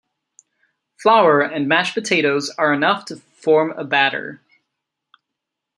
Flour and mashed potatoes are enough to form a batter.